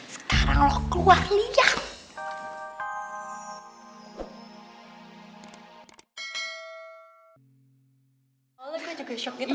sekarang lo keluar lihat